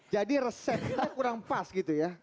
jadi resepnya kurang pas gitu ya